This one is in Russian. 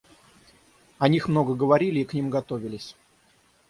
О них много говорили и к ним готовились.